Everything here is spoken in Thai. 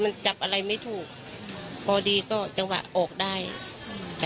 มันจับอะไรไม่ถูกพอดีก็จังหวะออกได้อืม